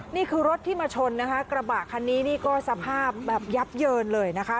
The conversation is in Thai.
นี่คือรถที่มาชนนะคะกระบะคันนี้นี่ก็สภาพแบบยับเยินเลยนะคะ